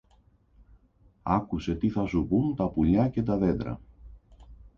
άκουσε τι θα σου πουν τα πουλιά και τα δέντρα